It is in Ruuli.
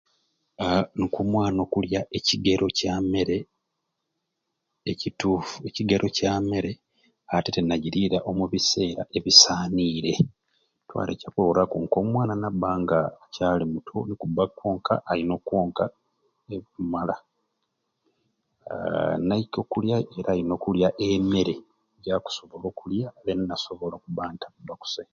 Haa nko omwana okulya ekyigero kya mmere ekitufu ekigero kya mmere ate te nagiriira omu bissera ebusanire twala ekyakurworaku omwana naba nga akyali muto naba akwonka ayina okwonka ebikumumala haa naikaa akulya ayina okulya emmere jakusobola okulya then nasobola okuba akuguta kusai